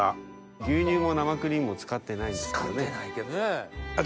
牛乳も生クリームも使ってないんですけどね。